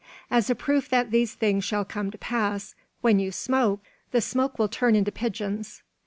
As a proof that these things shall come to pass, when you smoke, the smoke will turn into pigeons."